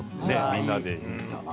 みんなで見たな。